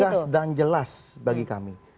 tegas dan jelas bagi kami